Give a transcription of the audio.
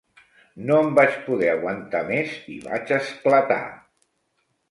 No em vaig poder aguantar més i vaig esclatar.